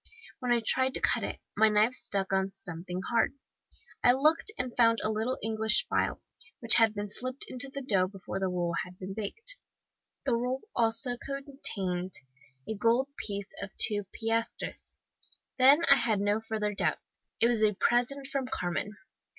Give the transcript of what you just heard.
"When I tried to cut it, my knife struck on something hard. I looked, and found a little English file, which had been slipped into the dough before the roll had been baked. The roll also contained a gold piece of two piastres. Then I had no further doubt it was a present from Carmen.